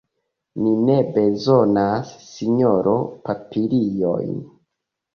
Ni ne bezonas, sinjoro, papiliojn!